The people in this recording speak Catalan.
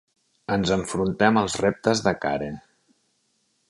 Ens enfrontarem als reptes de cara.